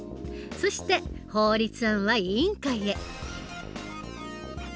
そして法律案は委員会へ。